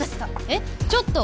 えっちょっと！